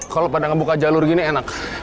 kalau pada ngebuka jalur gini enak